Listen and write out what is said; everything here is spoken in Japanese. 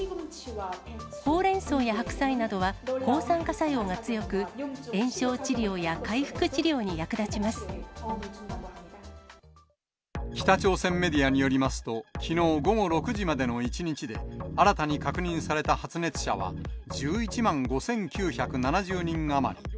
ほうれんそうや白菜などは抗酸化作用が強く、北朝鮮メディアによりますと、きのう午後６時までの１日で新たに確認された発熱者は１１万５９７０人余り。